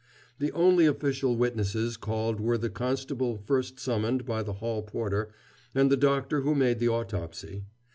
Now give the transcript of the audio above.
The only official witnesses called were the constable first summoned by the hall porter, and the doctor who made the autopsy.